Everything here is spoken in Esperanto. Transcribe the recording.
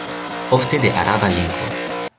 Ofte de Araba lingvo.